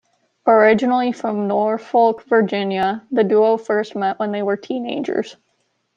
Originally from Norfolk, Virginia, the duo first met when they were teenagers.